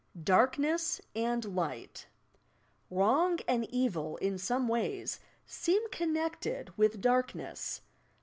DARKNESS AND LIGHT Wrong and evil in some ways seem connected with darkness.